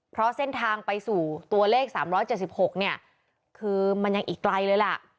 เพราะเส้นทางไปสู่ตัวเลข๓๗๖เนี่ยคือมันยังอีกไกลเลยล่ะ